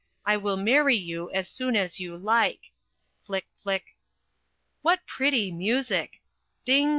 I WILL MARRY YOU AS SOON AS YOU LIKE." Flick, flick! What pretty music! Ding!